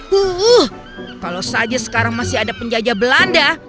wuh kalau saja sekarang masih ada penjajah belanda